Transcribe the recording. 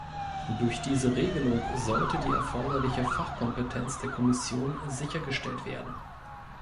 Durch diese Regelung sollte die erforderliche Fachkompetenz der Kommission sichergestellt werden.